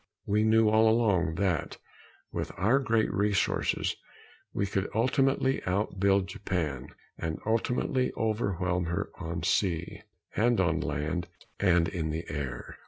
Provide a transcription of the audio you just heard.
We knew all along that, with our greater resources, we could ultimately out build Japan and ultimately overwhelm her on sea, and on land and in the air.